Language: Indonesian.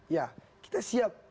ya kita siap